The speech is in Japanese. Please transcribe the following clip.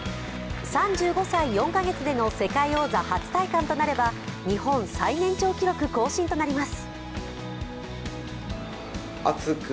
３５歳４カ月での世界王座初戴冠となれば、日本最年長記録更新となります。